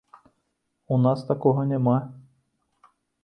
У нас такога няма!